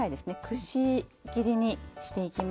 くし切りにしていきます。